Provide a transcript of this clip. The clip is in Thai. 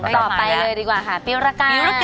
ต่อไปเลยดีกว่าค่ะปีวรากา